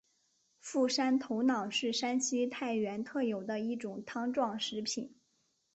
傅山头脑是山西太原特有的一种汤状食品。